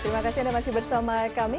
terima kasih anda masih bersama kami